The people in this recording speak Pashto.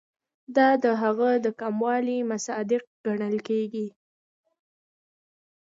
دا د هغه د کمولو مصداق ګڼل کیږي.